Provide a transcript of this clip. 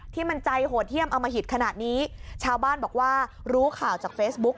ที่มันใจโหดเยี่ยมอมหิตขนาดนี้ชาวบ้านบอกว่ารู้ข่าวจากเฟซบุ๊ก